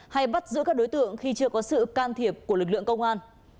hay bắt giữ các đối tượng khi chưa có sự can thiệp của lực lượng công an